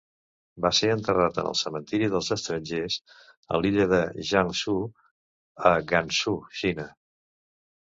Va ser enterrat en el cementiri dels estrangers a l'illa de Changzhou, a Guangzhou, Xina.